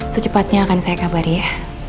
secepatnya akan saya kabari ya